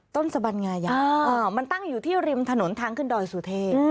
สบัญงายามันตั้งอยู่ที่ริมถนนทางขึ้นดอยสุเทพ